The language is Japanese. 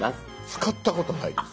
使ったことないです。